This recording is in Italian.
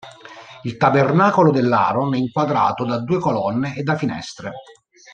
Il tabernacolo dell'aron è inquadrato da due colonne e da finestre.